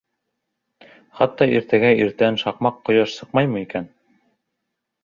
Хатта иртәгә иртән шаҡмаҡ ҡояш сыҡмаймы икән?